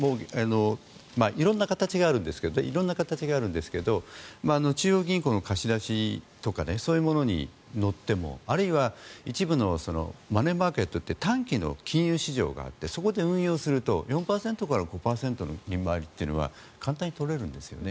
色んな形があるんですけど中央銀行の貸し出しとかそういうものに乗ってもあるいは一部のマネーマーケットっていって短期の金融市場があってそこで運用すると４％から５％の利回りは簡単に取れるんですね。